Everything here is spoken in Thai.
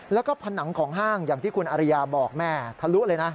แล้วก็ผนังของห้างอย่างที่คุณอริยาบอกแม่ทะลุเลยนะ